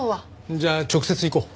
じゃあ直接行こう。